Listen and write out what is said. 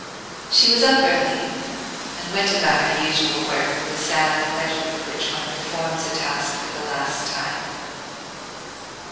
She was up early, and went about her usual work with the sad pleasure with which one performs a task for the last time.